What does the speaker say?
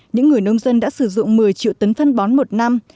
những người nông dân đã sử dụng một mươi triệu tấn phân bón một năm